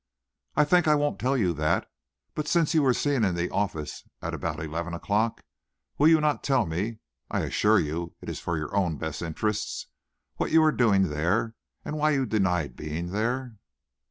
"I think I won't tell you that; but since you were seen in the office at about eleven o'clock, will you not tell me, I assure you it is for your own best interests, what you were doing there, and why you denied being there?"